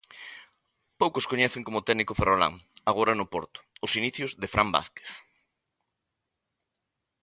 Poucos coñecen como o técnico ferrolán, agora no Porto, os inicios de Fran Vázquez.